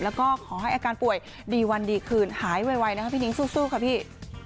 แล้วก็ขอให้อาการป่วยดีวันดีคืนหายไวนะคะพี่นิ้งสู้ค่ะพี่